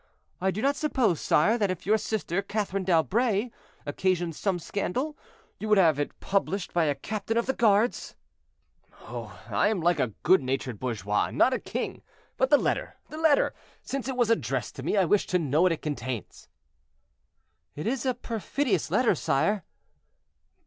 I do not suppose, sire, that if your sister, Catherine d'Albret, occasioned some scandal, you would have it published by a captain of the guards." "Oh! I am like a good natured bourgeois, and not a king; but the letter, the letter; since it was addressed to me, I wish to know what it contains." "It is a perfidious letter, sire."